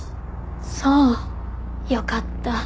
そうよかった。